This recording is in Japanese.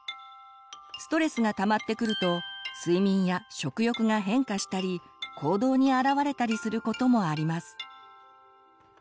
ストレスがたまってくると睡眠や食欲が変化したり行動にあらわれたりすることもあります。